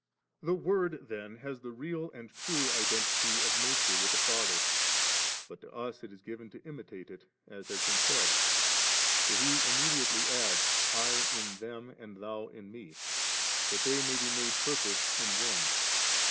22. The Word then has the real and true identity of nature with the Father ; but to us it is given to imitate it, as has been said ; for He immediately adds, * I in them and Thou in Me ; that they may be made perfect in one.